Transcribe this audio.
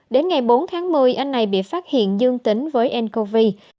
đến ngày bốn tháng một mươi anh này bị phát hiện dương tính với ncov